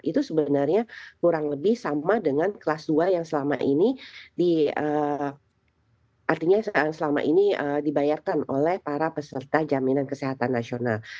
itu sebenarnya kurang lebih sama dengan kelas dua yang selama ini artinya selama ini dibayarkan oleh para peserta jaminan kesehatan nasional